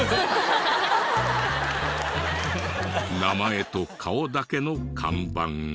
名前と顔だけの看板が。